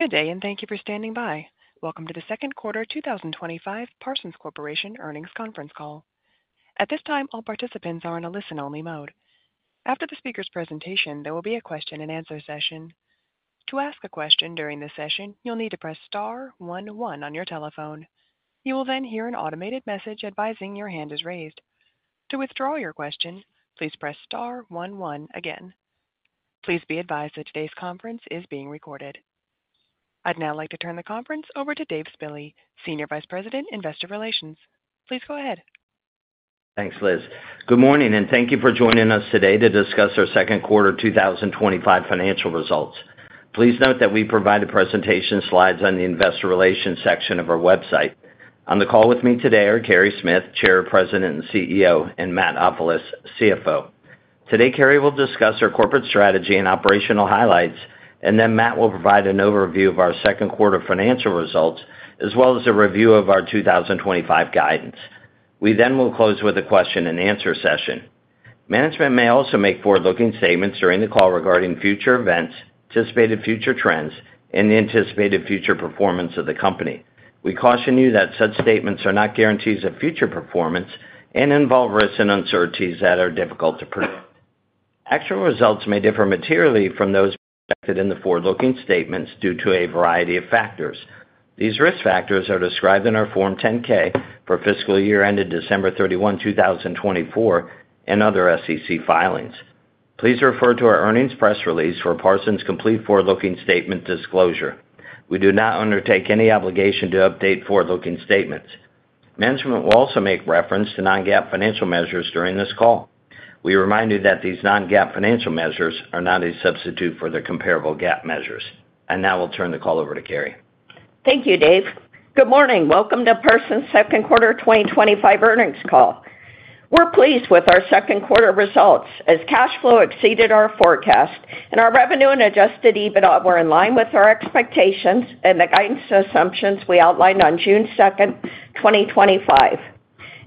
Good day, and thank you for standing by. Welcome to the Second Quarter 2025 Parsons Corporation Earnings Conference Call. At this time, all participants are in a listen-only mode. After the speaker's presentation there will be a question-and-answer session. To ask a question during this session, you'll need to press star one, one on your telephone. You will then hear an automated message advising, your hand is raised. To withdraw your question, please press star one, one again. Please be advised that today's conference is being recorded. I'd now like to turn the conference over to Dave Spille, Senior Vice President, Investor Relations. Please go ahead. Thanks, Liz. Good morning and thank you for joining us today to discuss our second quarter 2025 financial results. Please note that we provide presentation slides on the Investor Relations section of our website. On the call with me today are Carey Smith, Chair, President and CEO, and Matt Ofilos, CFO. Today, Carey will discuss our corporate strategy and operational highlights, and then Matt will provide an overview of our second-quarter financial results, as well as a review of our 2025 guidance. We then will close with a question-and-answer session. Management may also make forward-looking statements during the call regarding future events, anticipated future trends, and the anticipated future performance of the company. We caution you that such statements are not guarantees of future performance,, and involve risks and uncertainties that are difficult to predict. Actual results may differ materially from those projected in the forward-looking statements due to a variety of factors. These risk factors are described in our Form 10-K, for fiscal year ended December 31, 2024 and other SEC filings. Please refer to our earnings press release for Parsons' complete forward-looking statement disclosure. We do not undertake any obligation to update forward-looking statements. Management will also make reference to non-GAAP financial measures during this call. We remind you that these non-GAAP financial measures are not a substitute for the comparable GAAP measures. I now will turn the call over to Carey. Thank you, Dave. Good morning. Welcome to Parsons' Second Quarter 2025 Earnings Call. We're pleased with our second quarter results as cash flow exceeded our forecast, and our revenue and adjusted EBITDA were in line with our expectations and the guidance assumptions we outlined on June 2nd, 2025.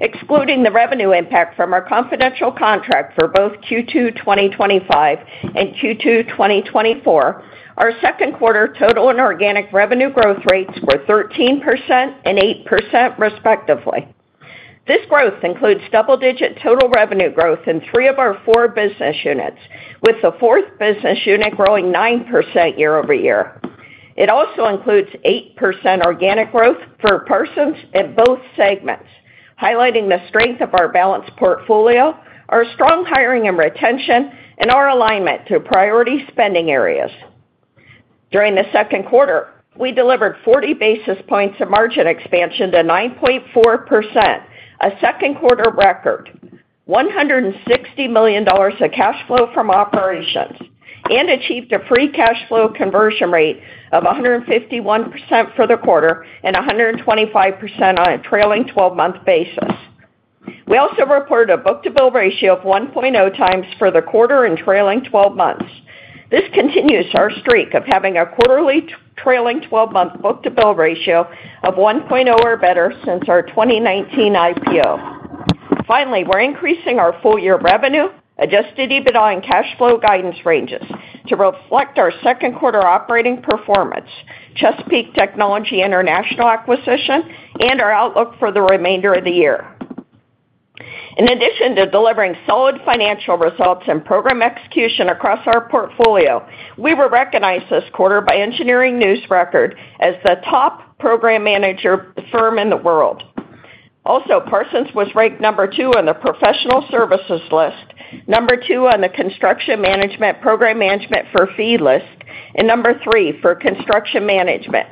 Excluding the revenue impact from our confidential contract for both Q2 2025 and Q2 2024, our second-quarter total and organic revenue growth rates were 13% and 8%, respectively. This growth includes double-digit total revenue growth in three of our four business units, with the fourth business unit growing 9% year-over-year. It also includes 8% organic growth for Parsons in both segments, highlighting the strength of our balanced portfolio, our strong hiring and retention, and our alignment to priority spending areas. During the second quarter, we delivered 40 basis points of margin expansion to 9.4%, a second quarter record, $160 million of cash flow from operations, and achieved a free cash flow conversion rate of 151% for the quarter and 125% on a trailing 12-month basis. We also reported a book-to-bill ratio of 1.0x for the quarter and trailing 12 months. This continues our streak of having a quarterly trailing 12-month book-to-bill ratio of 1.0 or better since our 2019 IPO. Finally, we're increasing our full-year revenue, adjusted EBITDA and cash flow guidance ranges, to reflect our second quarter operating performance, Chesapeake Technology International acquisition, and our outlook for the remainder of the year. In addition to delivering solid financial results and program execution across our portfolio, we were recognized this quarter by Engineering News-Record as the top program manager firm in the world. Also, Parsons was ranked number two on the Professional Services list, number two on the Construction Management Program Management for Fee list, and number three for Construction Management.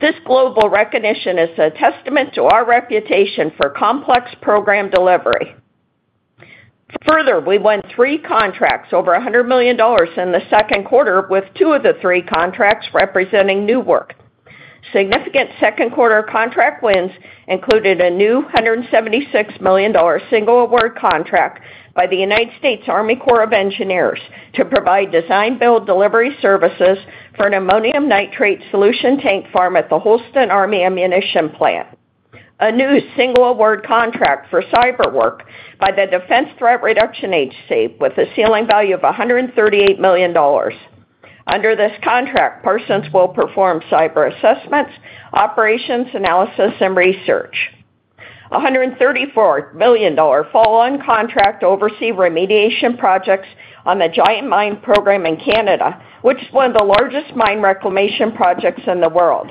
This global recognition is a testament to our reputation for complex program delivery. Further, we won three contracts over $100 million in the second quarter, with two of the three contracts representing new work. Significant second-quarter contract wins included a new $176 million single award contract by the U.S. Army Corps of Engineers, to provide design-build delivery services for an ammonium nitrate solution tank farm at the Holston Army Ammunition Plant, a new single award contract for cyber work by the Defense Threat Reduction Agency with a ceiling value of $138 million. Under this contract, Parsons will perform cyber assessments, operations analysis, and research. A $134 million full-on contract oversees remediation projects on the Giant Mine program in Canada, which is one of the largest mine reclamation projects in the world.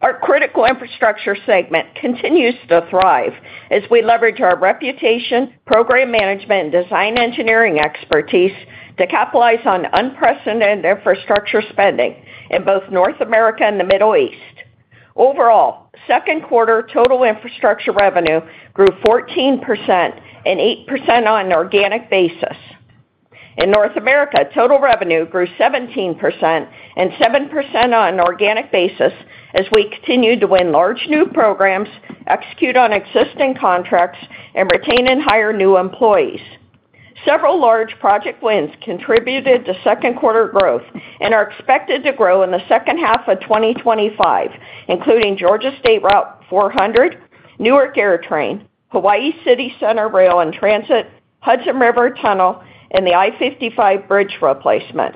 Our critical infrastructure segment continues to thrive as we leverage our reputation, program management, and design engineering expertise to capitalize on unprecedented infrastructure spending in both North America and the Middle East. Overall, second quarter total infrastructure revenue grew 14% and 8% on an organic basis. In North America, total revenue grew 17% and 7% on an organic basis, as we continue to win large new programs, execute on existing contracts, and retain and hire new employees. Several large project wins contributed to second-quarter growth and are expected to grow in the second half of 2025, including Georgia State Route 400, Newark AirTrain, Hawaii City Center Rail and Transit, Hudson River Tunnel, and the I-55 bridge replacement.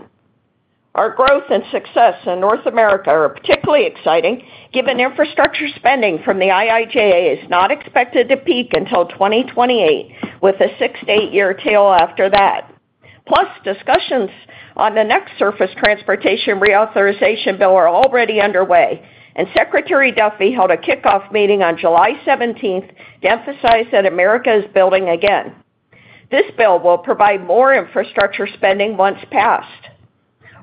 Our growth and success in North America are particularly exciting, given infrastructure spending from the IIJA is not expected to peak until 2028,with a six to eight-year tail after that. Plus, discussions on the next surface transportation reauthorization bill are already underway, and Secretary Duffy held a kickoff meeting on July 17th to emphasize that America is building again. This bill will provide more infrastructure spending once passed.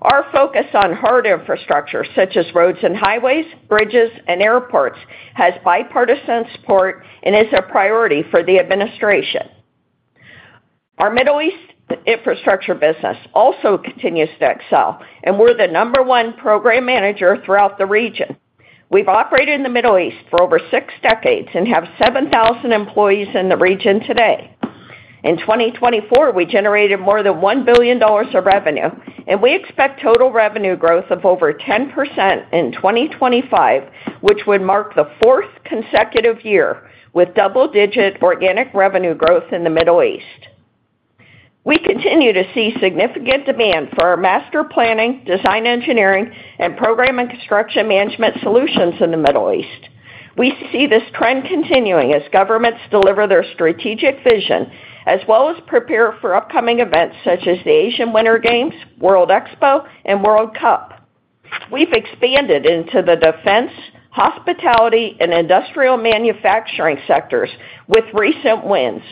Our focus on hard infrastructure such as roads and highways, bridges, and airports has bipartisan support and is a priority for the administration. Our Middle East infrastructure business also continues to excel, and we're the number one program manager throughout the region. We've operated in the Middle East for over six decades and have 7,000 employees in the region today. In 2024, we generated more than $1 billion of revenue, and we expect total revenue growth of over 10% in 2025, which would mark the fourth consecutive year with double-digit organic revenue growth in the Middle East. We continue to see significant demand for our master planning, design, engineering, and program and construction management solutions in the Middle East. We see this trend continuing as governments deliver their strategic vision, as well as prepare for upcoming events such as the Asian Winter Games, World Expo, and World Cup. We've expanded into the defense, hospitality, and industrial manufacturing sectors with recent wins,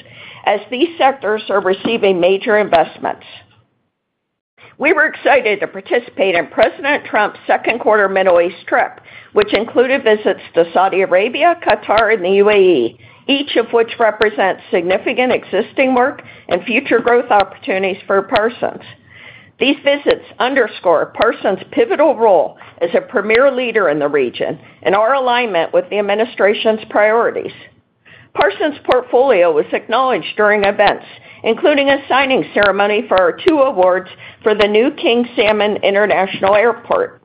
as these sectors are receiving major investments. We were excited to participate in President Trump's second quarter Middle East trip, which included visits to Saudi Arabia, Qatar, and the UAE, each of which represents significant existing work and future growth opportunities for Parsons. These visits underscore Parsons' pivotal role as a premier leader in the region, and our alignment with the administration's priorities. Parsons' portfolio was acknowledged during events, including a signing ceremony for our two awards for the new King Salman International Airport.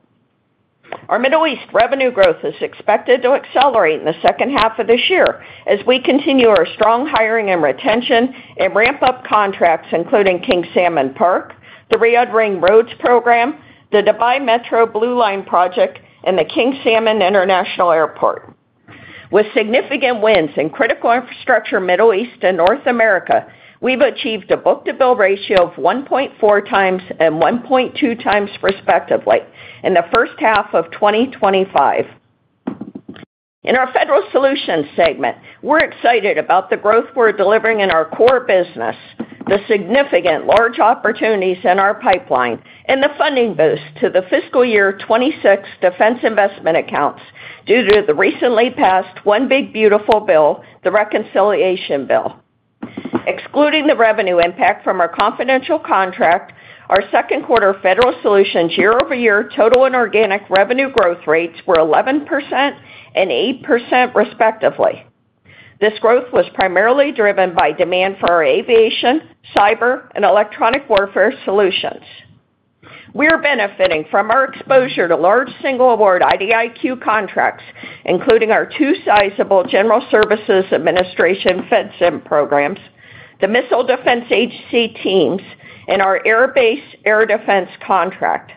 Our Middle East revenue growth is expected to accelerate in the second half of this year, as we continue our strong hiring and retention, and ramp up contracts, including King Salman Park, the Riyadh Ring Roads Program, the Dubai Metro Blue Line project, and the King Salman International Airport. With significant wins in critical infrastructure, Middle East, and North America, we've achieved a book-to-bill ratio of 1.4x and 1.2x respectively in the first half of 2025. In our Federal Solutions segment, we're excited about the growth we're delivering in our core business, the significant large opportunities in our pipeline, and the funding boost to the fiscal year 2026 defense investment accounts due to the recently passed One Big Beautiful Bill, the reconciliation bill. Excluding the revenue impact from our confidential contract, our second quarter federal solutions year-over-year total and organic revenue growth rates were 11% and 8% respectively. This growth was primarily driven by demand for our aviation, cyber, and electronic warfare solutions. We are benefiting from our exposure to large single-award IDIQ contracts, including our two sizable General Services Administration FEDSIM programs, the Missile Defense Agency teams, and our Air Base Air Defense contract.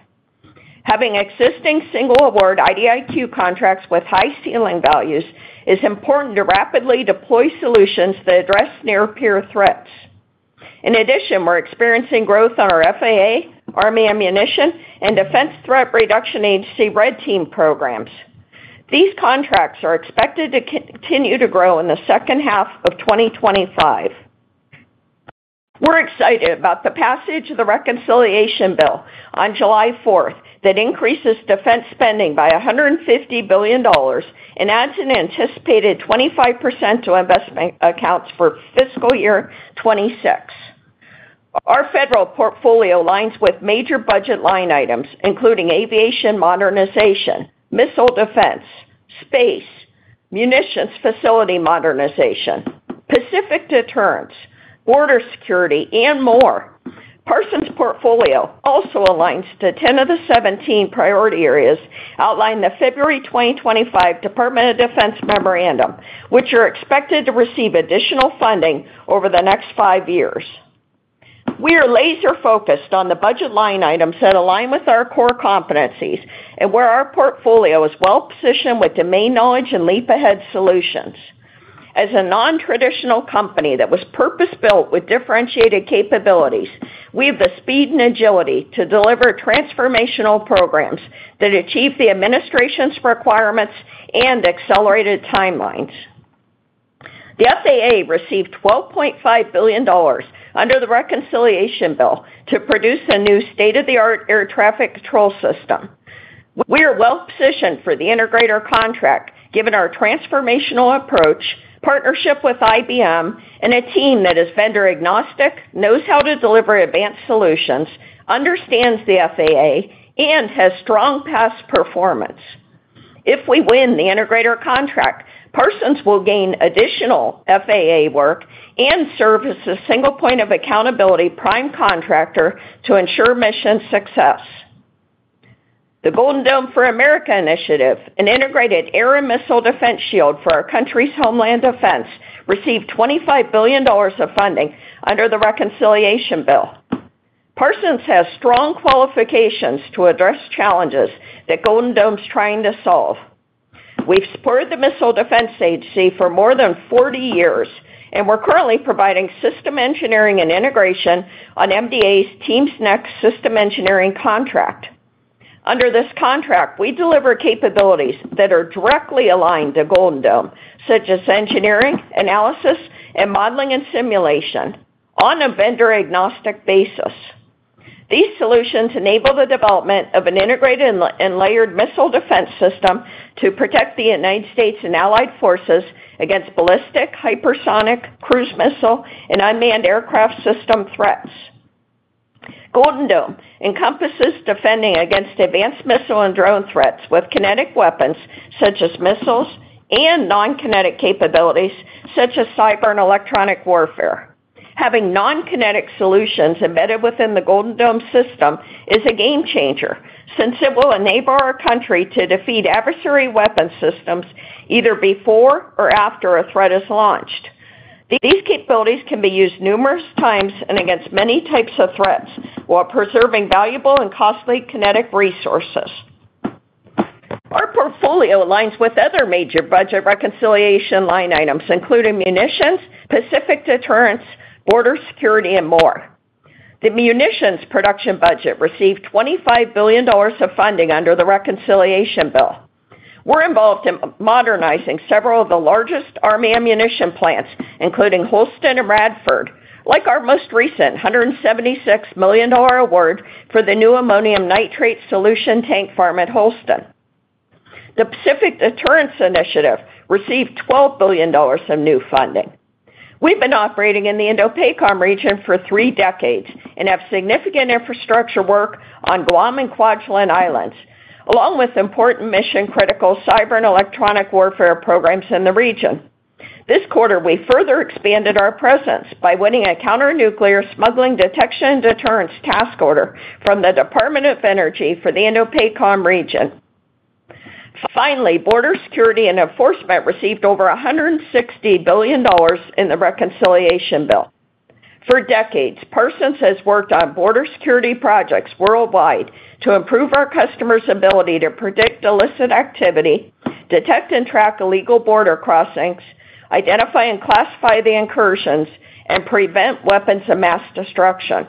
Having existing single-award IDIQ contracts with high ceiling values is important to rapidly deploy solutions that address near-peer threats. In addition, we're experiencing growth on our FAA, Army Ammunition, and Defense Threat Reduction Agency, Red Team programs. These contracts are expected to continue to grow in the second half of 2025. We're excited about the passage of the reconciliation bill on July 4th, that increases defense spending by $150 billion and adds an anticipated 25% to investment accounts for fiscal 2026. Our federal portfolio aligns with major budget line items, including aviation modernization, missile defense, space munitions facility modernization, Pacific deterrence, border security, and more. Parsons' portfolio also aligns to 10 of the 17 priority areas outlined in the February 2025 Department of Defense Memorandum, which are expected to receive additional funding over the next five years. We are laser-focused on the budget line items that align with our core competencies, and where our portfolio is well-positioned with domain knowledge and LeapAhead solutions. As a non-traditional company that was purpose built with differentiated capabilities, we have the speed and agility to deliver transformational programs that achieve the administration's requirements and accelerated timelines. The FAA received $12.5 billion under the reconciliation bill, to produce a new state-of-the-art air traffic control system. We are well-positioned for the integrator contract, given our transformational approach, partnership with IBM and a team that is vendor agnostic, knows how to deliver advanced solutions, understands the FAA and has strong past performance. If we win the integrator contract, Parsons will gain additional FAA work and serve as a single point of accountability prime contractor to ensure mission success. The Golden Dome for America initiative, an integrated air and missile defense shield for our country's Homeland defense, received $25 billion of funding under the reconciliation bill. Parsons has strong qualifications to address challenges that Golden Dome is trying to solve. We've supported the Missile Defense Agency for more than 40 years, and we're currently providing system engineering and integration on MDA's teams next System Engineering Contract. Under this contract, we deliver capabilities that are directly aligned to Golden Dome, such as engineering analysis and modeling, and simulation on a vendor-agnostic basis. These solutions enable the development of an integrated and layered missile defense system, to protect the United States and allied forces against ballistic, hypersonic, cruise missile, and unmanned aircraft system threats. Golden Dome encompasses defending against advanced missile and drone threats with kinetic weapons, such as missiles and non-kinetic capabilities such as cyber and electronic warfare. Having non-kinetic solutions embedded within the Golden Dome system is a game-changer, since it will enable our country to defeat adversary weapons systems either before or after a threat is launched. These capabilities can be used numerous times and against many types of threats, while preserving valuable and costly kinetic resources. Our portfolio aligns with other major budget reconciliation line items, including munitions, Pacific Deterrence, border security, and more. The munitions production budget received $25 billion of funding under the reconciliation bill. We're involved in modernizing several of the largest Army Ammunition plants including Holston and Radford. Like our most recent $176 million award for the new ammonium nitrate solution tank farm at Holston, the Pacific Deterrence Initiative received $12 billion of new funding. We've been operating in the INDOPACOM region for three decades, and have significant infrastructure work on Guam and Kwajalein Islands, along with important mission-critical cyber and electronic warfare programs in the region. This quarter, we further expanded our presence by winning a Counter-Nuclear Smuggling Detection, Deterrence Task Order from the Department of Energy for the INDOPACOM region. Finally, border security and enforcement received over $160 billion in the reconciliation bill. For decades, Parsons has worked on border security projects worldwide to improve our customers' ability to predict illicit activity, detect and track illegal border crossings, identify and classify the incursions, and prevent weapons of mass destruction.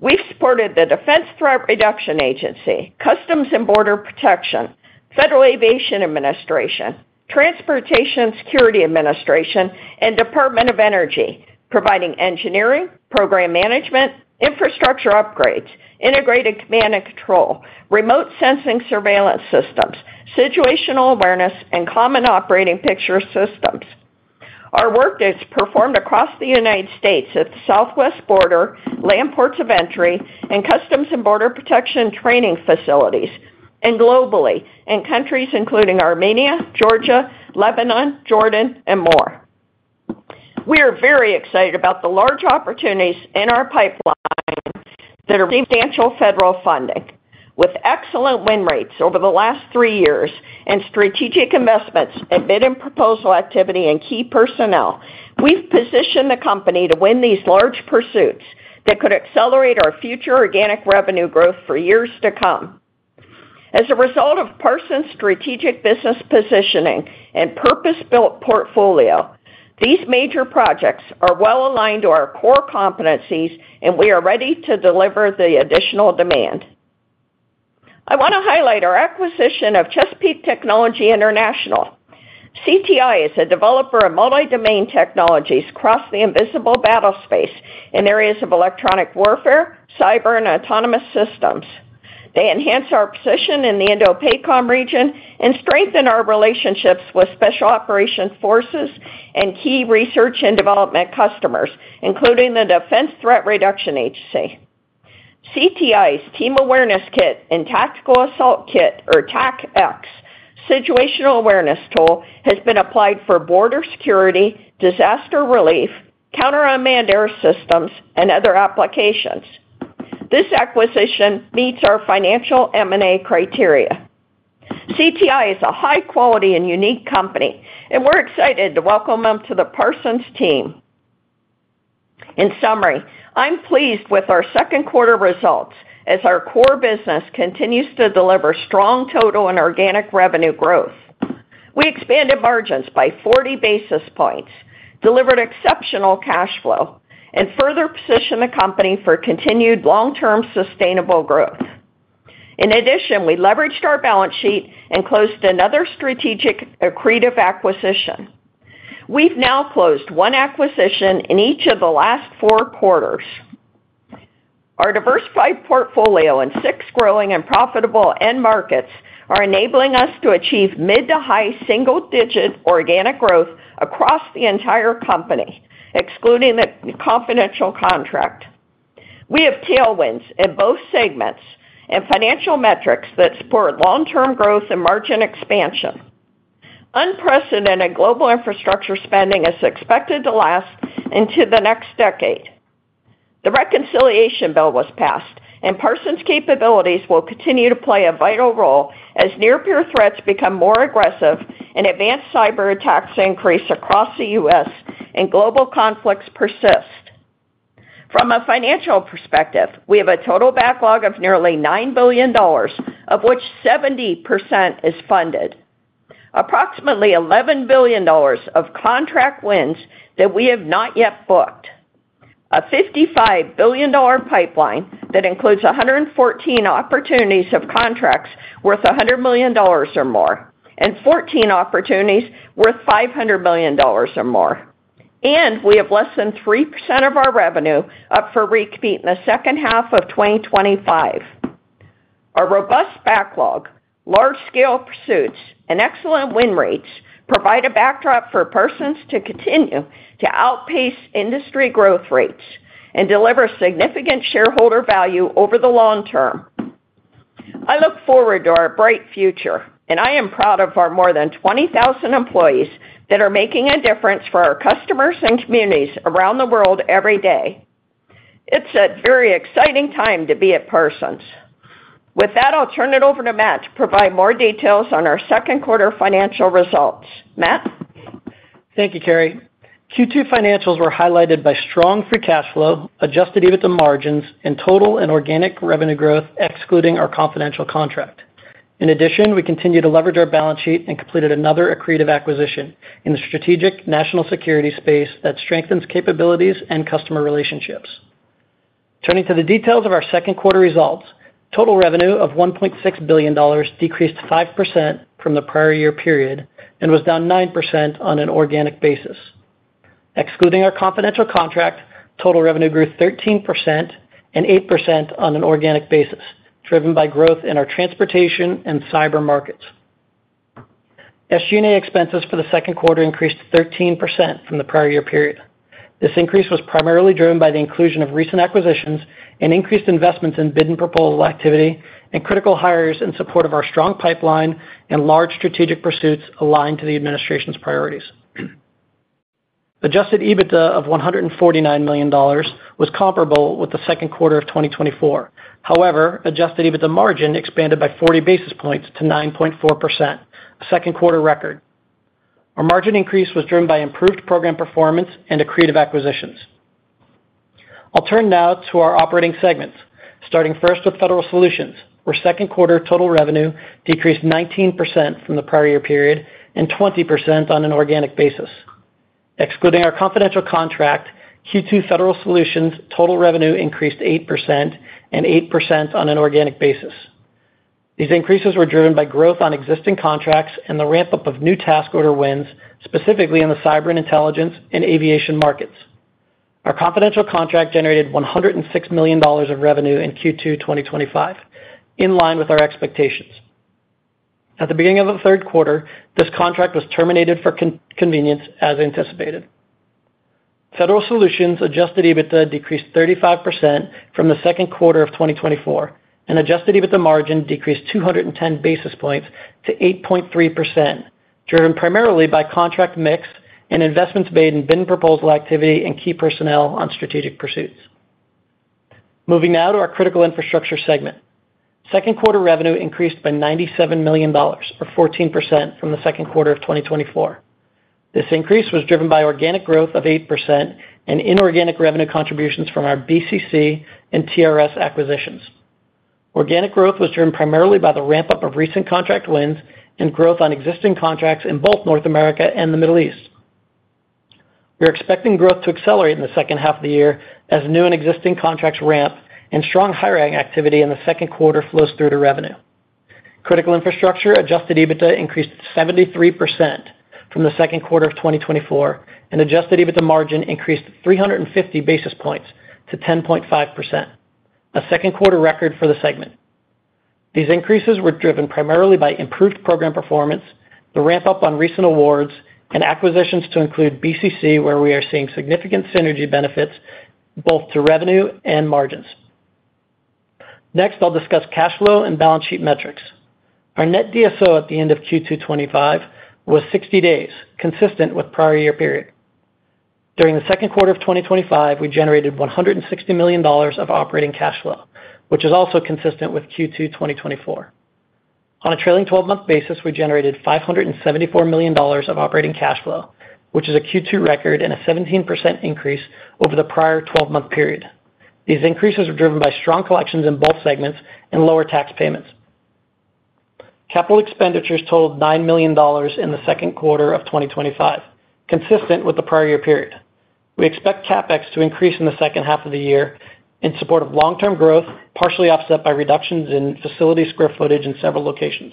We supported the Defense Threat Reduction Agency, Customs and Border Protection, Federal Aviation Administration, Transportation Security Administration, and Department of Energy, providing engineering, program management, infrastructure upgrades, integrated command and control, remote sensing surveillance systems, situational awareness, and common operating picture systems. Our work is performed across the United States at the Southwest border, land ports of entry and Customs and Border Protection training facilities and globally, in countries including, Armenia, Georgia, Lebanon, Jordan, and more. We are very excited about the large opportunities in our pipeline that have substantial federal funding, with excellent win rates over the last three years and strategic investments, and bid and proposal activity and key personnel. We've positioned the company to win these large pursuits that could accelerate our future organic revenue growth for years to come. As a result of Parsons' strategic business positioning and purpose-built portfolio, these major projects are well aligned to our core competencies and we are ready to deliver the additional demand. I want to highlight our acquisition of Chesapeake Technology International. CTI is a developer of multi-domain technologies across the invisible battle space in areas of electronic warfare, cyber, and autonomous systems. They enhance our position in the INDOPACOM region and strengthen our relationships with special operations forces, and key research and development customers, including the Defense Threat Reduction Agency. CTI's Team Awareness Kit and Tactical Assault Kit or TACX situational awareness tool has been applied for border security, disaster relief, counter unmanned air systems, and other applications. This acquisition meets our financial M&A criteria. CTI is a high-quality and unique company, and we're excited to welcome them to the Parsons team. In summary, I'm pleased with our second quarter results, as our core business continues to deliver strong total and organic revenue growth. We expanded margins by 40 basis points, delivered exceptional cash flow and further positioned the company for continued long-term sustainable growth. In addition, we leveraged our balance sheet and closed another strategic accretive acquisition. We've now closed one acquisition in each of the last four quarters. Our diversified portfolio and six growing and profitable end markets are enabling us to achieve mid to high single-digit organic growth across the entire company, excluding the confidential contract. We have tailwinds in both segments and financial metrics that support long-term growth and margin expansion. Unprecedented global infrastructure spending is expected to last into the next decade. The reconciliation bill was passed, and Parsons' capabilities will continue to play a vital role, as near-peer threats become more aggressive and advanced cyber attacks increase across the U.S. and global conflicts persist. From a financial perspective, we have a total backlog of nearly $9 billion, of which 70% is funded, approximately $11 billion of contract wins that we have not yet booked, a $55 billion pipeline that includes 114 opportunities of contracts worth $100 million or more, and 14 opportunities worth $500 million or more. We have less than 3% of our revenue up for recompete in the second half of 2025. Our robust backlog, large-scale pursuits, and excellent win rates provide a backdrop for Parsons to continue to outpace industry growth rates and deliver significant shareholder value over the long term. I look forward to our bright future, and I am proud of our more than 20,000 employees that are making a difference for our customers and communities around the world every day. It's a very exciting time to be at Parsons. With that, I'll turn it over to Matt to provide more details on our second quarter financial results. Matt. Thank you, Carey. Q2 financials were highlighted by strong free cash flow, adjusted EBITDA margins, and total and organic revenue growth, excluding our confidential contract. In addition, we continue to leverage our balance sheet, and completed another accretive acquisition in the strategic national security space that strengthens capabilities and customer relationships. Turning to the details of our second quarter results. Total revenue of $1.6 billion decreased 5% from the prior year period, and was down 9% on an organic basis. Excluding our confidential contract, total revenue grew 13% and 8% on an organic basis, driven by growth in our transportation and cyber markets. SG&A expenses for the second quarter increased 13% from the prior year period. This increase was primarily driven by the inclusion of recent acquisitions, and increased investments in bid and proposal activity and critical hires in support of our strong pipeline and large strategic pursuits aligned to the administration's priorities. Adjusted EBITDA of $149 million was comparable with the second quarter of 2024. However, adjusted EBITDA margin expanded by 40 basis points to 9.4%, our second quarter record. Our margin increase was driven by improved program performance and accretive acquisitions. I'll turn now to our operating segments, starting first with federal solutions, where second-quarter total revenue decreased 19% from the prior year period and 20% on an organic basis. Excluding our confidential contract, Q2 federal solutions total revenue increased 8% and 8% on an organic basis. These increases were driven by growth on existing contracts and the ramp-up of new task order wins, specifically in the cyber and intelligence and aviation markets. Our confidential contract generated $106 million of revenue in Q2 2025, in line with our expectations. At the beginning of the third quarter, this contract was terminated for convenience as anticipated. Federal solutions adjusted EBITDA decreased 35% from the second quarter of 2024, and adjusted EBITDA margin decreased 210 basis points to 8.3%, driven primarily by contract mix and investments made in bid and proposal activity and key personnel on strategic pursuits. Moving now to our Critical infrastructure segment, second-quarter revenue increased by $97 million or 14%, from the second quarter of 2024. This increase was driven by organic growth of 8%, and inorganic revenue contributions from our BCC and TRS acquisitions. Organic growth was driven primarily by the ramp up of recent contract wins, and growth on existing contracts in both North America and the Middle East. We're expecting growth to accelerate in the second half of the year, as new and existing contracts ramp and strong hiring activity in the second quarter flows through to revenue. Critical infrastructure adjusted EBITDA increased 73% from the second quarter of 2024, and adjusted EBITDA margin increased 350 basis points to 10.5%, a second-quarter record for the segment. These increases were driven primarily by improved program performance, the ramp-up on recent awards and acquisitions to include BCC, where we are seeing significant synergy benefits both to revenue and margins. Next, I'll discuss cash flow and balance sheet metrics. Our net DSO at the end of Q2 2025 was 60 days, consistent with prior year period. During the second quarter of 2025, we generated $160 million of operating cash flow, which is also consistent with Q2 2024. On a trailing 12-month basis, we generated $574 million of operating cash flow, which is a Q2 record and a 17% increase over the prior 12-month period. These increases were driven by strong collections in both segments and lower tax payments. Capital expenditures totaled $9 million in the second quarter of 2025, consistent with the prior year period. We expect CapEx to increase in the second half of the year in support of long-term growth, partially offset by reductions in facility square footage in several locations.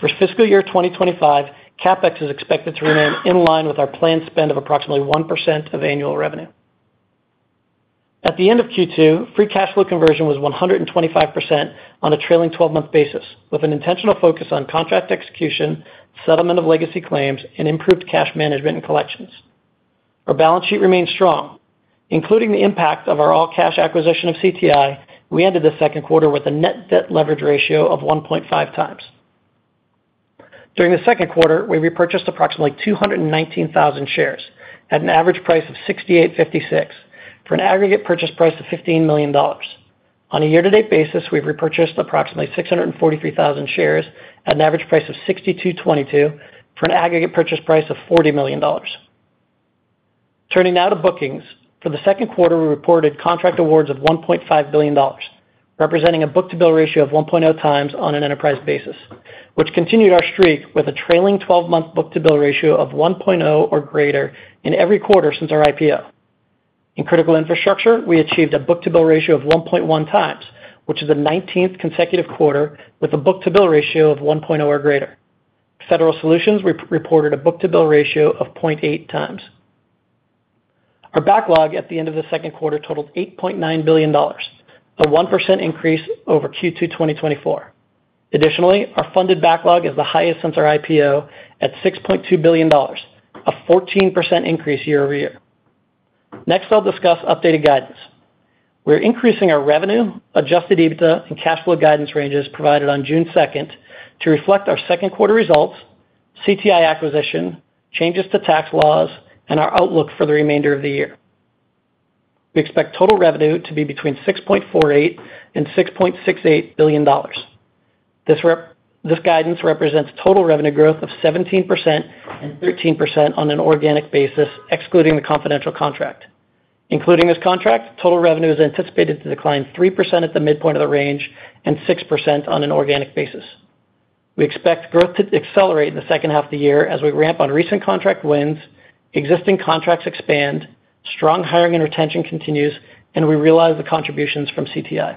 For fiscal year 2025, CapEx is expected to remain in line with our planned spend of approximately 1% of annual revenue. At the end of Q2, free cash flow conversion was 125% on a trailing 12-month basis, with an intentional focus on contract execution, settlement of legacy claims and improved cash management and collections. Our balance sheet remains strong. Including the impact of our all-cash acquisition of CTI, we ended the second quarter with a net debt leverage ratio of 1.5x. During the second quarter, we repurchased approximately 219,000 shares at an average price of $68.56, for an aggregate purchase price of $15 million. On a year-to-date basis, we've repurchased approximately 643,000 shares at an average price of $62.22, for an aggregate purchase price of $40 million. Turning now to bookings. For the second quarter, we reported contract awards of $1.5 billion, representing a book-to-bill ratio of 1.0x on an enterprise basis, which continued our streak with a trailing 12-month book-to-bill ratio of 1.0 or greater in every quarter since our IPO. In Critical infrastructure, we achieved a book-to-bill ratio of 1.1 x, which is the 19th consecutive quarter with a book-to-bill ratio of 1.0 or greater. Federal Solutions reported a book-to-bill ratio of 0.8x. The backlog at the end of the second quarter totaled $8.9 billion, a 1% increase over Q2 2024. Additionally, our funded backlog is the highest since our IPO, at $6.2 billion, a 14% increase year-over-year. Next, I'll discuss updated guidance. We are increasing our revenue, adjusted EBITDA, and cash flow guidance ranges provided on June 2nd to reflect our second quarter results, CTI acquisition, changes to tax laws, and our outlook for the remainder of the year. We expect total revenue to be between $6.48 and $6.68 billion. This guidance represents total revenue growth of 17%, 13% on an organic basis, excluding the confidential contract. Including this contract, total revenue is anticipated to decline 3% at the midpoint of the range and 6% on an organic basis. We expect growth to accelerate in the second half of the year as we ramp on recent contract wins, existing contracts expand, strong hiring and retention continues, and we realize the contributions from CTI.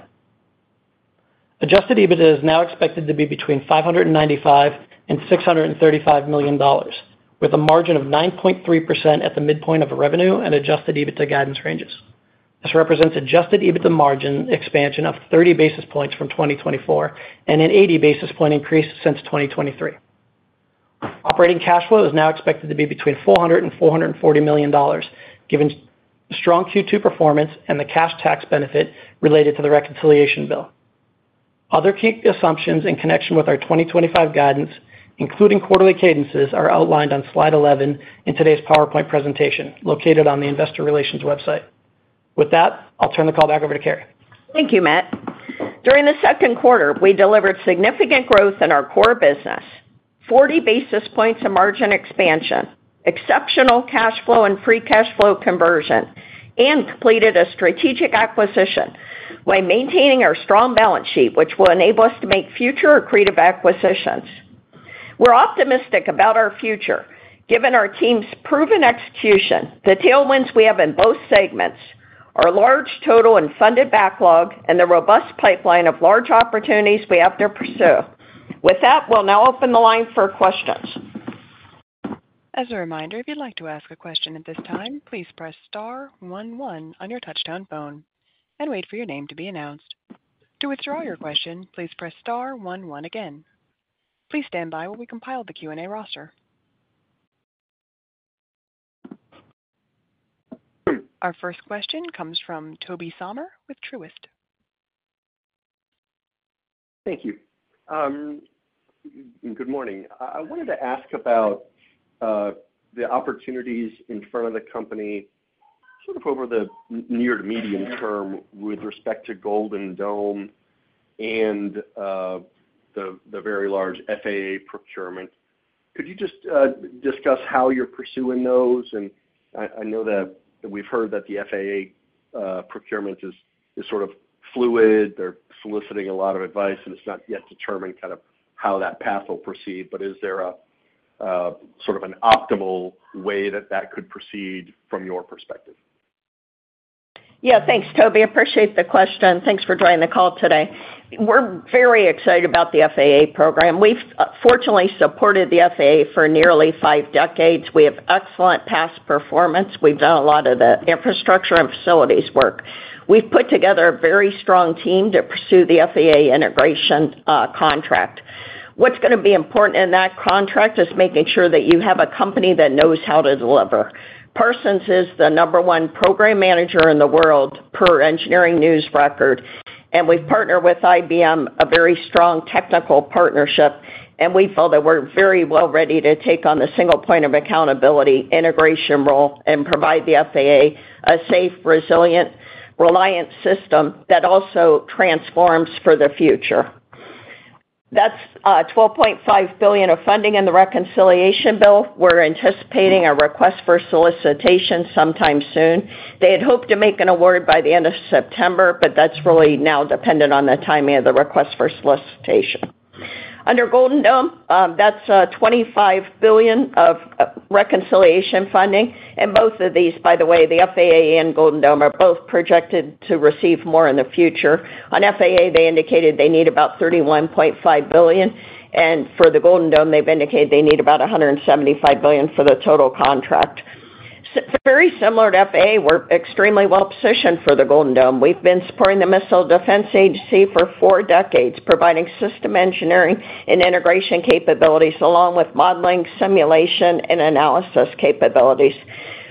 Adjusted EBITDA is now expected to be between $595 and $635 million, with a margin of 9.3% at the midpoint of revenue and adjusted EBITDA guidance ranges. This represents adjusted EBITDA margin expansion of 30 basis points from 2024, and an 80 basis point increase since 2023. Operating cash flow is now expected to be between $400 and $440 million, given strong Q2 performance and the cash tax benefit related to the reconciliation bill. Other key assumptions in connection with our 2025 guidance, including quarterly cadences are outlined on Slide 11 in today's PowerPoint presentation, located on the Investor Relations website. With that, I'll turn the call back over to Carey. Thank you, Matt. During the second quarter, we delivered significant growth in our core business, 40 basis points of margin expansion, exceptional cash flow and free cash flow conversion, and completed a strategic acquisition while maintaining our strong balance sheet, which will enable us to make future accretive acquisitions. We're optimistic about our future, given our team's proven execution, the tailwinds we have in both segments, our large total and funded backlog, and the robust pipeline of large opportunities we have to pursue. With that, we'll now open the line for questions. As a reminder, if you'd like to ask a question at this time, please press star one, one on your touchtone phone and wait for your name to be announced. To withdraw your question, please press star one, one again. Please stand by while we compile the Q&A roster. Our first question comes from Tobey Sommer with Truist. Thank you. Good morning. I wanted to ask about the opportunities in front of the company, sort of over the near to medium term with respect to Golden Dome and the very large FAA procurement. Could you just discuss how you're pursuing those? I know that we've heard that the FAA procurement is sort of fluid. They're soliciting a lot of advice and it's not yet determined how that path will proceed. Is there an optimal way that that could proceed from your perspective? Yeah. Thanks, Tobey. Appreciate the question. Thanks for joining the call today. We're very excited about the FAA program. We've fortunately supported the FAA for nearly five decades. We have excellent past performance. We've done a lot of the infrastructure and facilities work. We've put together a very strong team to pursue the FAA integration contract. What's going to be important in that contract is making sure that you have a company that knows how to deliver. Parsons is the number one program manager in the world per Engineering News-Record. We've partnered with IBM, a very strong technical partnership, and we feel that we're very well ready to take on the single point of accountability integration role and provide the FAA a safe, resilient, reliant system that also transforms for the future. That's $12.5 billion of funding in the reconciliation bill. We're anticipating a request for solicitation sometime soon. They had hoped to make an award by the end of September, but that's really now dependent on the timing of the request for solicitation. Under Golden Dome, that's $25 billion of reconciliation funding. By the way, the FAA and Golden Dome are both projected to receive more in the future. On FAA, they indicated they need about $31.5 billion. For the Golden Dome, they've indicated they need about $175 billion for the total contract. Very similar to FAA, we're extremely well-positioned for the Golden Dome. We've been supporting the Missile Defense Agency for four decades, providing system engineering and integration capabilities, along with modeling, simulation, and analysis capabilities.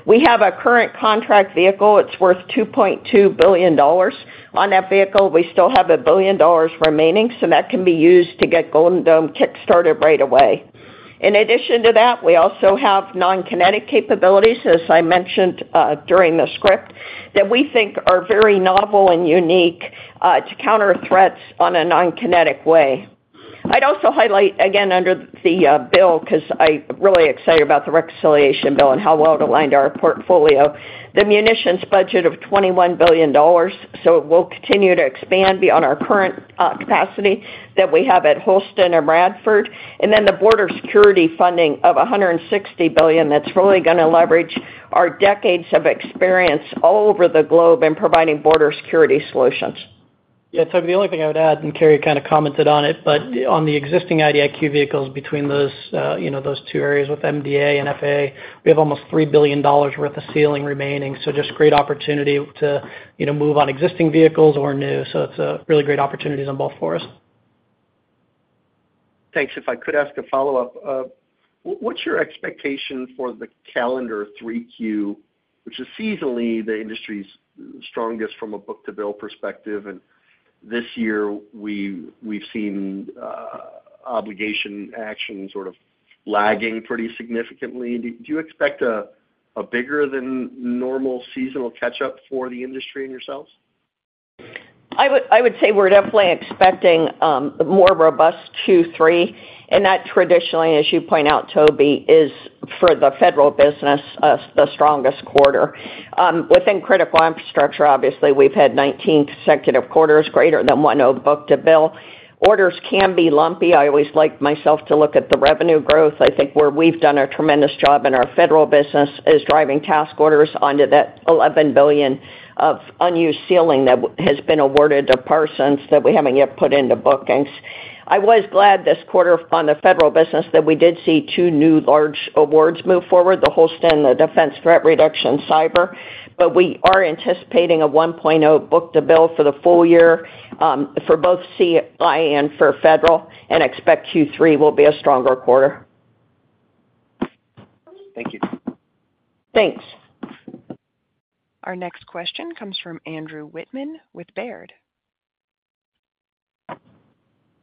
We have a current contract vehicle, it's worth $2.2 billion. On that vehicle, we still have $1 billion remaining. That can be used to get Golden Dome kickstarted right away. In addition to that, we also have non-kinetic capabilities, as I mentioned during the script, that we think are very novel and unique to counter threats in a non-kinetic way. I'd also highlight again under the bill, because I'm really excited about the reconciliation bill and how well it aligned our portfolio, the munitions budget of $21 billion. It will continue to expand beyond our current capacity that we have at Holston and Radford, and then the border security funding of $160 billion. That's really going to leverage our decades of experience all over the globe in providing border security solutions. Yeah, Tobey, the only thing I would add, and Carey commented on it, but on the existing IDIQ vehicles between those two areas with MVA and FAA, we have almost $3 billion worth of ceiling remaining. Just great opportunity to move on existing vehicles or new. It's really great opportunities on both for us. Thanks. If I could ask a follow-up, what's your expectation for the calendar 3Q, which is seasonally the industry's strongest from a book-to-bill perspective? This year, we've seen obligation action lagging pretty significantly. Do you expect a bigger than normal seasonal catch-up for the industry and yourselves? I would say we're definitely expecting a more robust Q3 and that traditionally as you point out Tobey, is for the federal business, the strongest quarter. Within critical infrastructure, obviously we've had 19 consecutive quarters greater than 1.0 book-to-bill. Orders can be lumpy. I always like myself to look at the revenue growth. I think where we've done a tremendous job in our federal business is driving task orders onto that $11 billion of unused ceiling that has been awarded to Parsons, that we haven't yet put into bookings. I was glad this quarter on the federal business, that we did see two new large awards move forward, the Holston, the Defense Threat Reduction Agency Cyber. We are anticipating a 1.0 book-to-bill for the full year for both CI and for federal, and expect Q3 will be a stronger quarter. Thank you. Thanks. Our next question comes from Andrew Wittmann with Baird.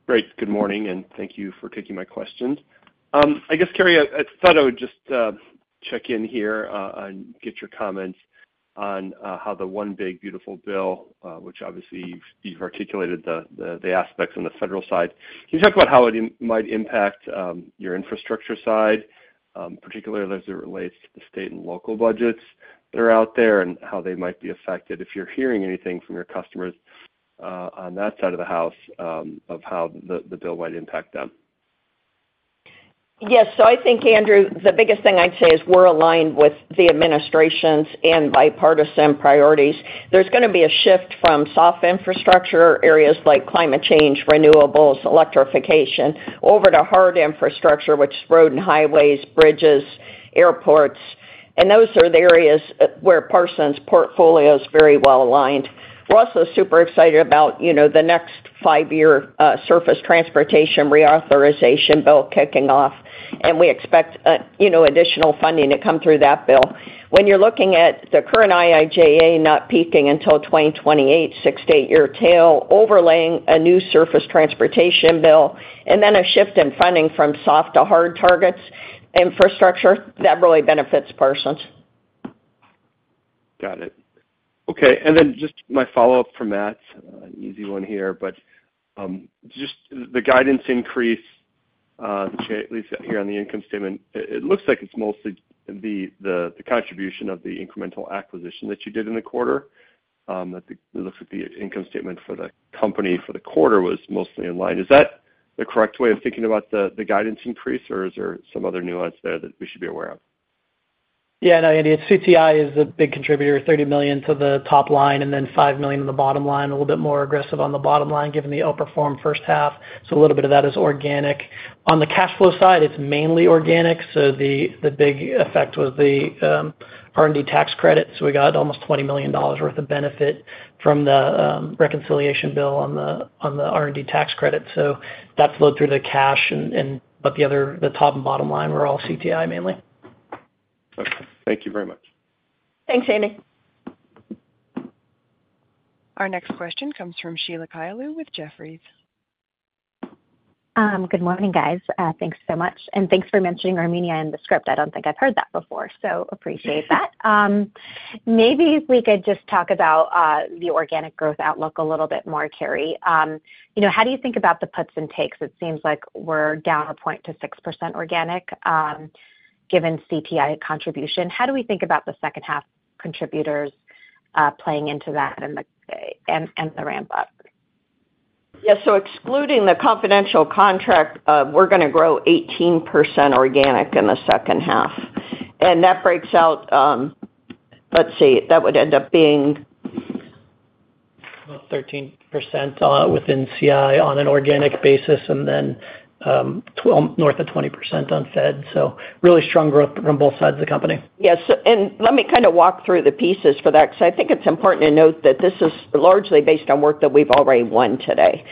Great, good morning. Thank you for taking my questions. I guess Carey, I thought I would just check in here and get your comments on how the One Big Beautiful Bill, which obviously you've articulated the aspects on the federal side. Can you talk about how it might impact your infrastructure side, particularly as it relates to the state and local budgets that are out there, and how they might be affected? If you're hearing anything from your customers on that side of the House, of how the bill might impact them. Yes. I think, Andrew the biggest thing I'd say is we're aligned with the administration's and bipartisan priorities. There's going to be a shift from soft infrastructure areas like climate change, renewables, electrification over to hard infrastructure, which is road and highways, bridges, airports. Those are the areas where Parsons' portfolio is very well aligned. We're also super excited about the next five-year surface transportation reauthorization bill kicking off, and we expect additional funding to come through that bill. When you're looking at the current IIJA not peaking until 2028, six to eight-year tail overlaying a new surface transportation bill, and then a shift in funding from soft to hard targets infrastructure, that really benefits Parsons. Got it, okay. Just my follow up for Matt, an easy one here. Just the guidance increase, at least here on the income statement, it looks like it's mostly the contribution of the incremental acquisition that you did in the quarter. It looks like the income statement for the company for the quarter was mostly in line. Is that the correct way of thinking about the guidance increase, or is there some other nuance there that we should be aware of? Yeah. No, Andy, CTI is the big contributor. $30 million for the top line and then $5 million in the bottom line. A little bit more aggressive on the bottom line, given the outperform first half. A little bit of that is organic. On the cash flow side, it's mainly organic. The big effect was the R&D tax credit. We got almost $20 million worth of benefit from the reconciliation bill on the R&D tax credit. That flowed through the cash. The top and bottom line were all CTI mainly. Okay. Thank you very much. Thanks, Andy. Our next question comes from Sheila Kahyaoglu with Jefferies. Good morning, guys. Thanks so much, and thanks for mentioning Armenia in the script. I don't think I've heard that before, so appreciate that. Maybe if we could just talk about the organic growth outlook a little bit more. Carey, how do you think about the puts and takes? It seems like we're down a point to 6% organic. Given CPI contribution, how do we think about the second half contributors playing into that and the ramp up? Yeah. Excluding the confidential contract, we're going to grow 18% organic in the second half, and that breaks out, let's see, that would end up being. 13 percentile within CI on an organic basis, and then north of 20% on Fed. Really strong growth on both sides of the company. Yes. Let me walk through the pieces for that, because I think it's important to note that this is largely based on work that we've already won today.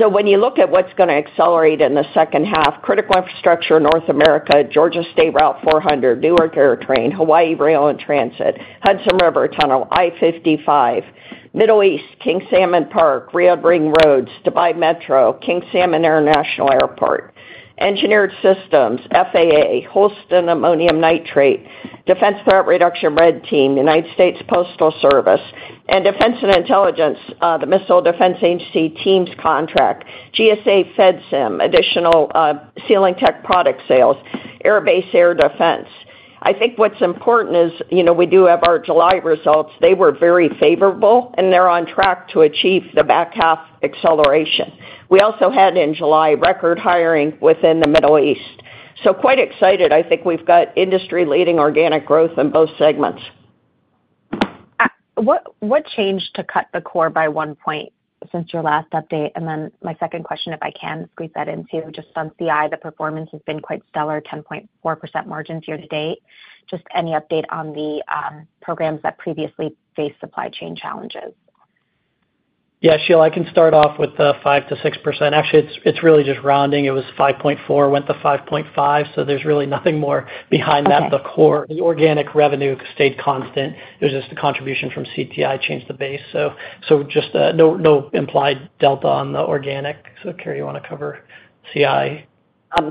When you look at what's going to accelerate in the second half, critical infrastructure, North America, Georgia State Route 400, Newark AirTrain, Hawaii Rail and Transit, Hudson River Tunnel, I-55, Middle East, King Salman Park, Red Ring Roads, Dubai Metro, King Salman International Airport, Engineered Systems, FAA, Holston Ammonium Nitrate. Defense Threat Reduction Agency, Red Team, United States Postal Service and Defense and Intelligence, the Missile Defense Agency teams contract, GSA, FedSIM, additional ceiling tech product sales, Air Base, Air Defense. I think what's important is, we do have our July results. They were very favorable and they're on track to achieve the back half acceleration. We also had in July, record hiring within the Middle East, so quite excited. I think we've got industry leading organic growth in both segments. What changed to cut the core by one point since your last update? My second question, if I can squeeze that in, just on CI, the performance has been quite stellar, 10.4% margins year to date. Just any update on the programs that previously faced supply chain challenges. Yeah, Sheila. I can start off with the 5%-6%. Actually, it's really just rounding. It was 5.4%, went to 5.5%, so there's really nothing more behind that. The organic revenue stayed constant. It was just, the contribution from CTI changed the base, so just no implied delta on the organic. Carey, you want to cover CI?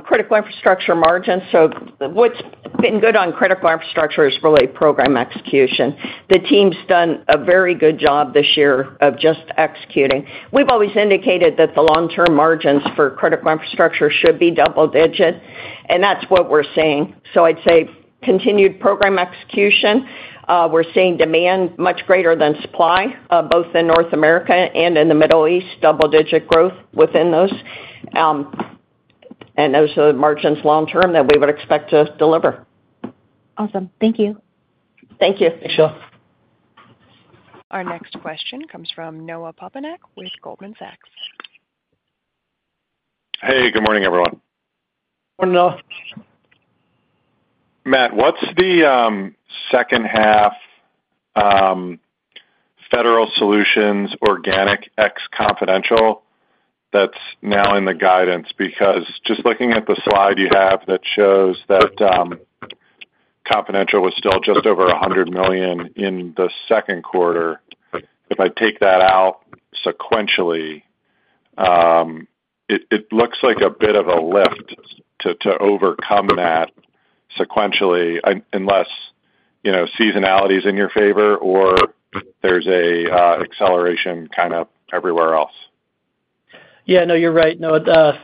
Critical infrastructure margin, so what's been good on critical infrastructure is really program execution. The team's done a very good job this year, of just executing. We've always indicated that the long-term margins for critical infrastructure should be double digit, and that's what we're seeing. I'd say continued program execution. We're seeing demand much greater than supply both in North America and in the Middle East, double-digit growth within those. Those are the margins long term that we would expect to deliver. Awesome. Thank you. Thank you, Sheila. Our next question comes from Noah Poponak with Goldman Sachs. Hey. Good morning, everyone. Morning, Noah. Matt, what's the second half federal solutions organic ex-confidential that's now in the guidance? Just looking at the slide you have that shows that confidential was still just over $100 million in the second quarter, if I take that out sequentially, it looks like a bit of a lift to overcome that sequentially, unless seasonality is in your favor or there's an acceleration everywhere else. Yeah. No, you're right.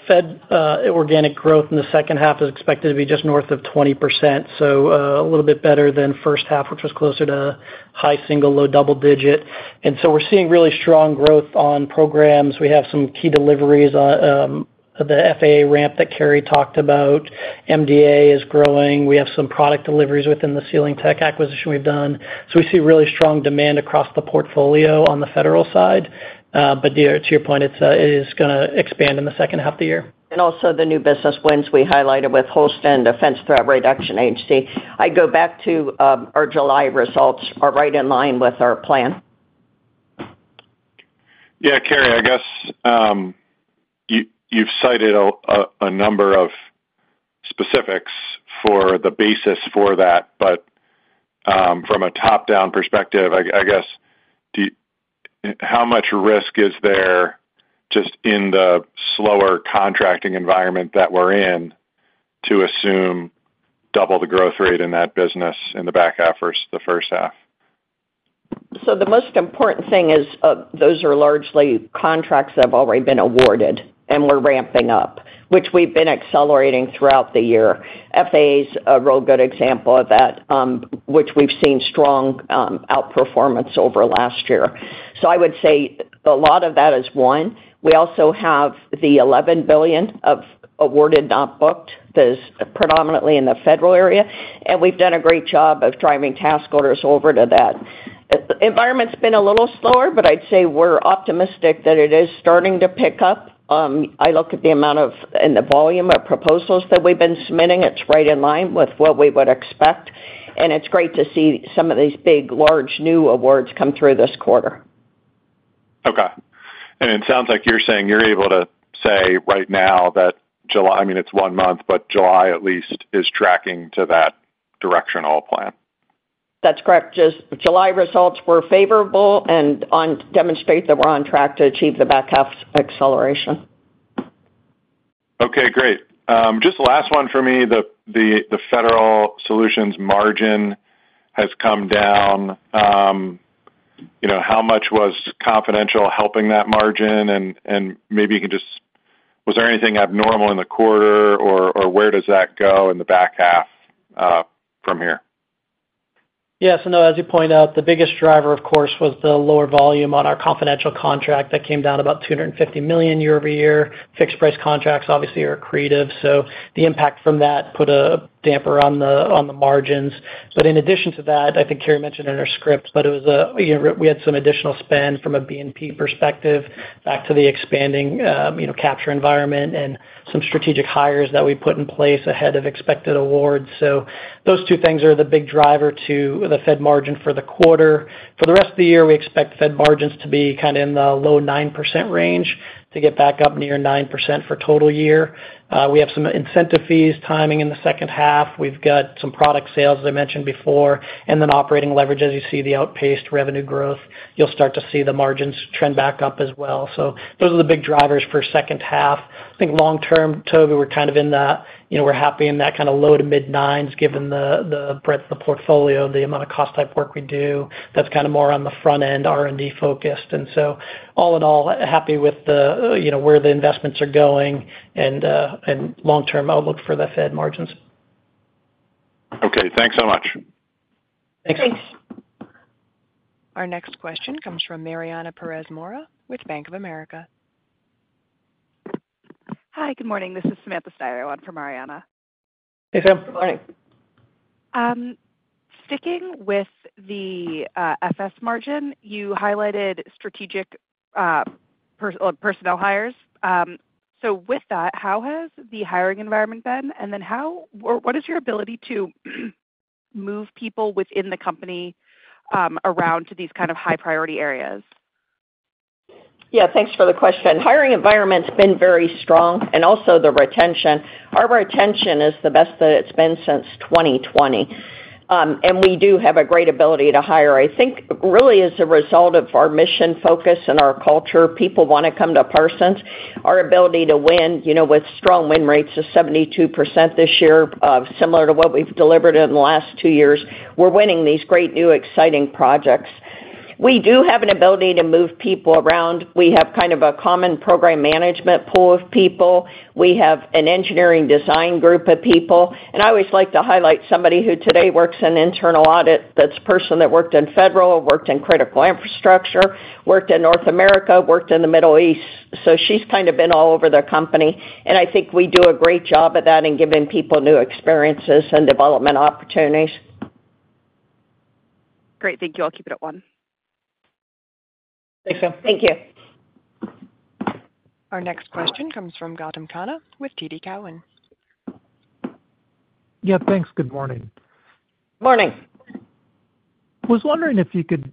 Fed organic growth in the second half is expected to be just north of 20%, so a little bit better than first half, which was closer to high single, low-double digit. We're seeing really strong growth on programs. We have some key deliveries. The FAA ramp that Carey talked about, MDA is growing. We have some product deliveries within the ceiling tech acquisition we've done. We see really strong demand across the portfolio on the federal side. To your point, it is going to expand in the second half of the year. Also, the new business wins we highlighted with Holston and the Defense Threat Reduction Agency, I go back to, our July results are right in line with our plan. Yeah, Carey, I guess you've cited a number of specifics for the basis for that. From a top-down perspective how much risk is there just in the slower contracting environment that we're in, to assume double the growth rate in that business in the back half versus the first half? The most important thing is, those are largely contracts that have already been awarded and we're ramping up, which we've been accelerating throughout the year. FAA's a real good example of that, which we've seen strong outperformance over last year. I would say a lot of that is one. We also have the $11 billion of awarded, not booked that is predominantly in the federal area and we've done a great job of driving task orders over to that. The environment's been a little slower, but I'd say we're optimistic that it is starting to pick up. I look at the amount and the volume of proposals that we've been submitting, it's right in line with what we would expect. It's great to see some of these big, large, new awards come through this quarter. Okay. It sounds like you're saying you're able to say right now that, I mean it's one month, but July at least is tracking to that directional plan. That's correct. July results were favorable and demonstrate that we're on track to achieve the back half acceleration. Okay, great. Just the last one from me. The federal solutions margin has come down. How much was confidential helping that margin? Was there anything abnormal in the quarter, or where does that go in the back half from here? Yeah. As you point out, the biggest driver of course was the lower volume on our confidential contract that came down about $250 million year-over-year. Fixed price contracts obviously are accretive, so the impact from that put a few damper on the margins. In addition to that, I think Carey mentioned in her script, we had some additional spend from a BNP perspective back to the expanding capture environment and some strategic hires that we put in place ahead of expected awards. Those two things are the big driver to the Fed margin for the quarter. For the rest of the year, we expect Fed margins to be in the low 9% range, to get back up near 9% for total year. We have some incentive fees timing in the second half. We've got some product sales as I mentioned before, and then operating leverage. As you see the outpaced revenue growth, you'll start to see the margins trend back up as well. Those are the big drivers for second half. I think long term, Tobey, we're happy in the low to mid nines, given the breadth of the portfolio, the amount of cost type work we do, that's more on the front end, R&D focused. All in all, happy with where the investments are going and long term outlook for the Fed margins. Okay, thanks so much. Thanks. Our next question comes from Mariana Pérez Mora with Bank of America. Hi, good morning. This is Samantha Storey for Mariana. Hey, Sam. Good morning. Sticking with the FS margin, you highlighted strategic personnel hires. With that, how has the hiring environment been, and then what is your ability to move people within the company around to these high priority areas? Yeah, thanks for the question. Hiring environment's been very strong. Also, the retention, our retention is the best that it's been since 2020. We do have a great ability to hire. I think really as a result of our mission, focus and our culture, people want to come to Parsons. Our ability to win, with strong rates of 72% this year, similar to what we've delivered in the last two years, we're winning these great, new exciting projects. We do have an ability to move people around. We have a common program management pool of people. We have an engineering design group of people. I always like to highlight somebody who today works in internal audit. That's a person that worked in Federal or worked in critical infrastructure, worked in North America, worked in the Middle East. She's been all over the company. I think we do a great job of that, in giving people new experiences and development opportunities. Great, thank you. I'll keep it at one. Thanks, Sam. Thank you. Our next question comes from Gautam Khanna with TD Cowen. Yeah, thanks. Good morning. Morning. Was wondering if you could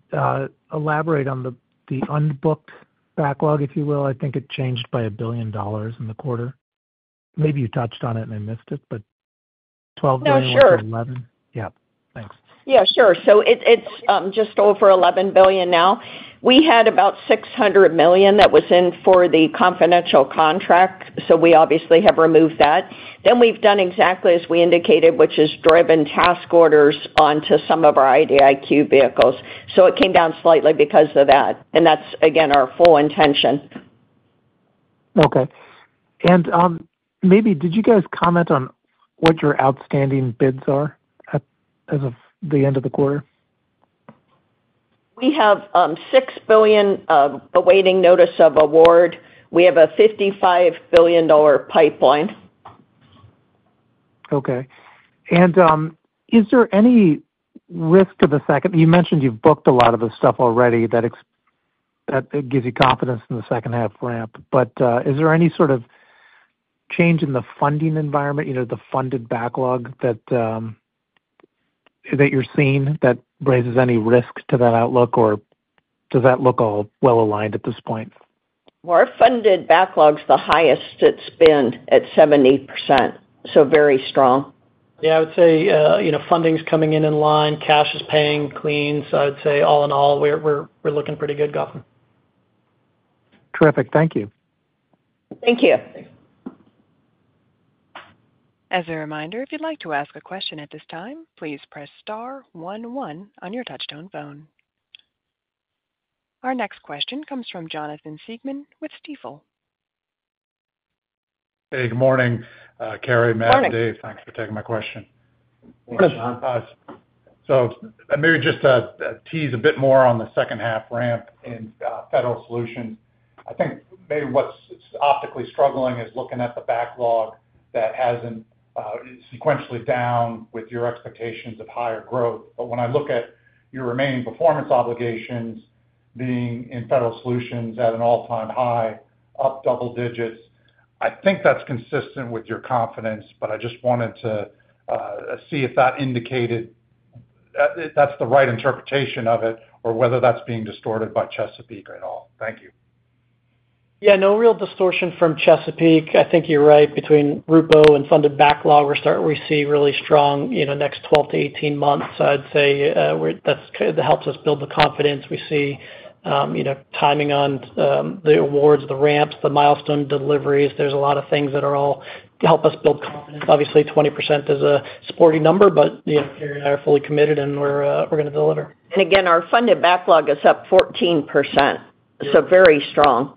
elaborate on the unbooked backlog, if you will. I think it changed by $1 billion in the quarter. Maybe you touched on it and I missed it, but 12. Yeah, thanks. Yeah, sure. It's just over $11 billion now. We had about $600 million that was in for the confidential contract, so we obviously have removed that. We've done exactly as we indicated, which is driven task orders onto some of our IDIQ vehicles. It came down slightly because of that, and that's again our full intention. Okay. Maybe, did you guys comment on what your outstanding bids are as of the end of the quarter? We have $6 billion awaiting notice of award. We have a $55 billion pipeline. Okay. You mentioned you've booked a lot of the stuff already that gives you confidence in the second half ramp. Is there any change in the funding environment, the funded backlog that you're seeing, that raises any risk to that outlook or does that look all well aligned at this point? Our funded backlog's the highest it's been at 70%, so very strong. Yeah, I would say funding's coming in in line, cash is paying clean. I would say all in all, we're looking pretty good, Gautam. Terrific. Thank you. Thank you. As a reminder, if you'd like to ask a question at this time, please press star one, one on your touchtone phone. Our next question comes from Jonathan Siegmann with Stifel. Hey, good morning. Carey, Matt, Dave, thanks for taking my question. Morning. Maybe just to tease a bit more on the second half ramp in federal solutions, I think maybe what's optically struggling is looking at the backlog that hasn't been sequentially down with your expectations of higher growth. When I look at your remaining performance obligations, being in federal solutions at an all-time high, up double digits, I think that's consistent with your confidence. I just wanted to see if that's the right interpretation of it or whether that's being distorted by Chesapeake at all. Thank you. Yeah, no real distortion from Chesapeake. I think you're right. Between RUPO and funded backlog, we see really strong next 12 months-18 months. I'd say that helps us build the confidence we see, timing on the awards, the ramps, the milestone deliveries. There's a lot of things that are all to help us build. Obviously, 20% is a supporting number, but we're fully committed and we're going to deliver. Again, our funded backlog is up 14%, so very strong.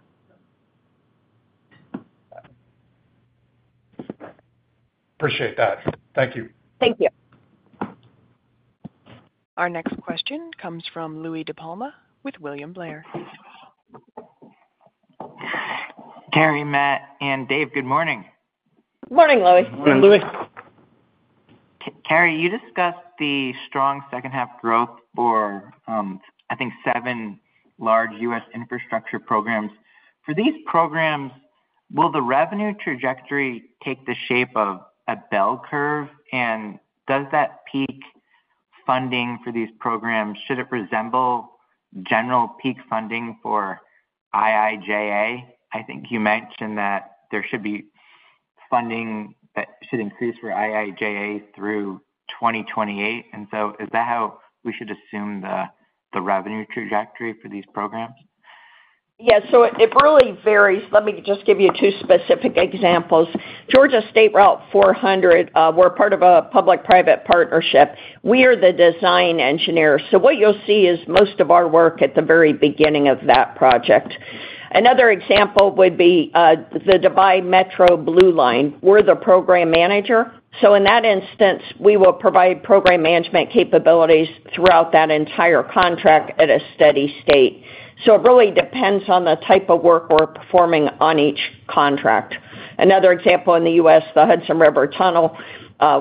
Appreciate that. Thank you. Thank you. Our next question comes from Louis DePalma with William Blair. Carey, Matt, and Dave, good morning. Morning, Louis. Morning, Louis. Carey, you discussed the strong second half growth for I think seven large U.S. infrastructure programs. For these programs, will the revenue trajectory take the shape of a bell curve, and does that peak funding for these programs, should it resemble general peak funding for IIJA? I think you mentioned that there should be funding that should increase for IIJA through 2028. Is that how we should assume the revenue trajectory for these programs? Yes. It really varies. Let me just give you two specific examples. Georgia State Route 400, we're part of a public-private partnership. We are the design engineer. What you'll see is most of our work at the very beginning of that project. Another example would be the Dubai Metro Blue Line. We're the program manager. In that instance, we will provide program management capabilities throughout that entire contract at a steady state. It really depends on the type of work we're performing on each contract. Another example in the U.S., the Hudson River Tunnel,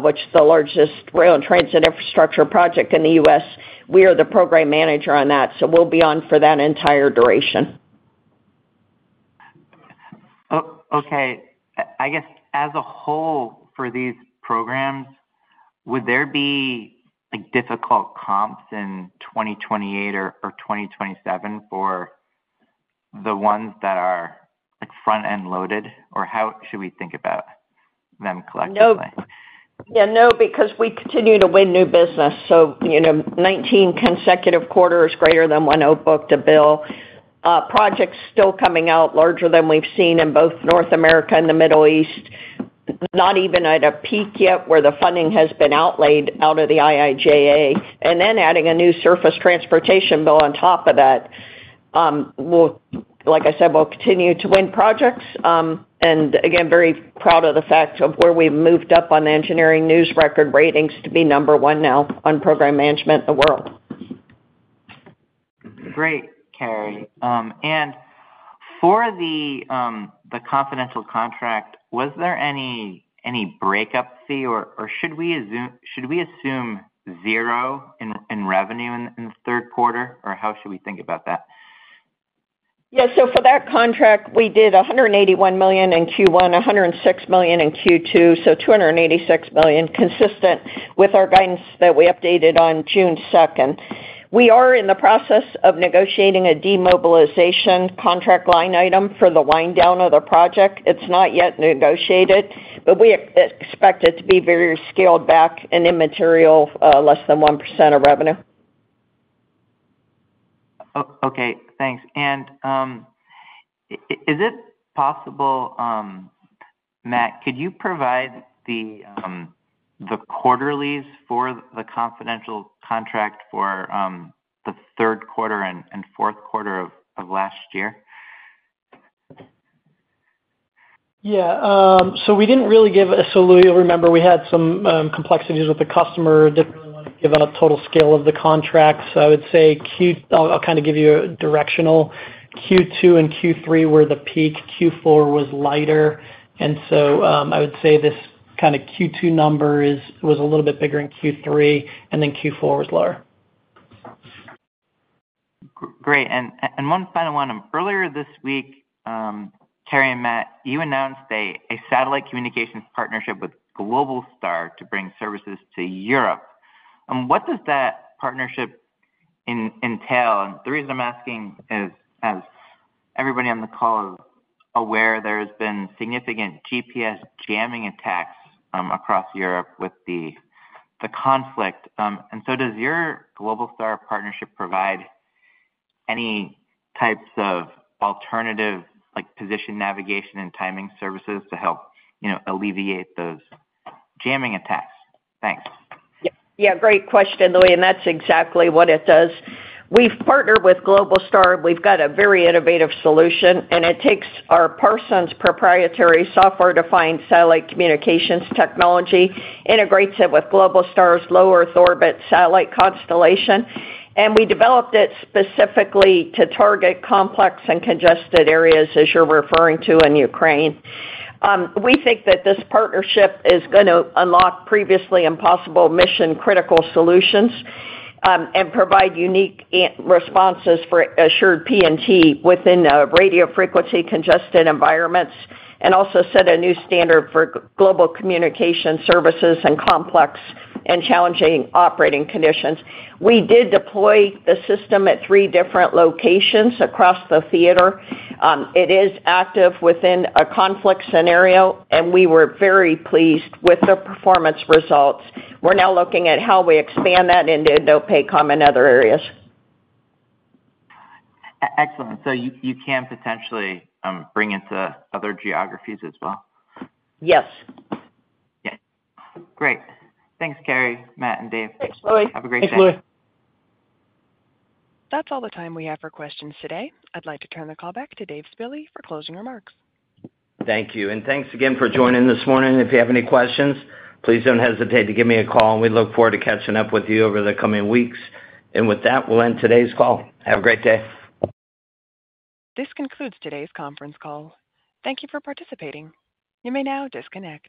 which is the largest rail and transit infrastructure project in the U.S., we are the program manager on that. We'll be on for that entire duration. Okay. As a whole for these programs, would there be like difficult comps in 2028 or 2027 for the ones that are front-end loaded, or how should we think about them collectively? Yeah. No, because we continue to win new business. You know, 19 consecutive quarters greater than 1.0 book-to-bill, projects still coming out larger than we've seen in both North America and the Middle East. Not even at a peak yet, where the funding has been outlaid out of the IIJA and then adding a new surface transportation bill on top of that. Like I said, we'll continue to win projects. Again, very proud of where we moved up on the Engineering News-Record ratings to be number one now on program management in the world. Great, Carey. For the confidential contract, was there any breakup fee or should we assume $0 in revenue in the third quarter, or how should we think about that? Yeah, for that contract, we did $181 million in Q1, $106 million in Q2, so $286 million, consistent with our guidance that we updated on June 2nd. We are in the process of negotiating a demobilization contract line item for the wind-down of the project. It's not yet negotiated, but we expect it to be very scaled back and immaterial, less than 1% of revenue. Okay, thanks. Matt, could you provide the quarterlies for the confidential contract for the third quarter and fourth quarter of last year? Yeah. You'll remember we had some complexities with the customer to give out a total scale of the contract. I'll kind of give you directional, Q2 and Q3 were the peak. Q4 was lighter. I would say this Q2 number was a little bit bigger in Q3 and then Q4 was lower. Great. One final one. Earlier this week, Carey and Matt, you announced a satellite communications partnership with Globalstar, to bring services to Europe. What does that partnership entail? The reason I'm asking is, as everybody on the call is aware, there have been significant GPS jamming attacks across Europe with the conflict. Does your Globalstar partnership provide any types of alternative position, navigation, and timing services to help alleviate those jamming attacks? Thanks. Yeah, great question, Louis. That's exactly what it does. We've partnered with Globalstar. We've got a very innovative solution, and it takes our Parsons proprietary software-defined satellite communications technology, integrates it with Globalstar's Low Earth Orbit satellite constellation. We developed it specifically to target complex and congested areas, as you're referring to, in Ukraine. We think that this partnership is going to unlock previously impossible mission-critical solutions, and provide unique responses for assured PNT within our radio frequency-congested environments. It will also set a new standard for global communication services in complex and challenging operating conditions. We did deploy the system at three different locations across the theater. It is active within a conflict scenario, and we were very pleased with the performance results. We're now looking at how we expand that into INDOPACOM and other areas. Excellent. You can potentially bring into other geographies as well. Yes. Great. Thanks, Carey, Matt and Dave. Have a great day. Thanks, Louis. Thanks, Louis. That's all the time we have for questions today. I'd like to turn the call back to Dave Spille for closing remarks. Thank you, and thanks again for joining this morning. If you have any questions, please don't hesitate to give me a call. We look forward to catching up with you over the coming weeks. With that, we'll end today's call. Have a great day. This concludes today's conference call. Thank you for participating. You may now disconnect.